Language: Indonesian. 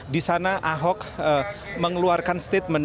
di sana ahok mengeluarkan statement